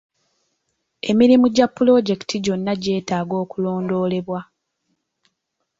Emirimu gya pulojekiti gyonna gyeetaaga okulondoolebwa.